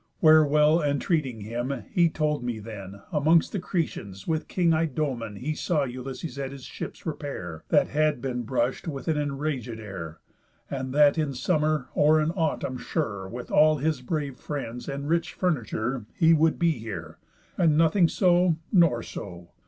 Where well entreating him, he told me then, Amongst the Cretans, with king Idomen, He saw Ulysses at his ship's repair, That had been brush'd with the enragéd air; And that in summer, or in autumn, sure, With all his brave friends and rich furniture, He would be here; and nothing so, nor so.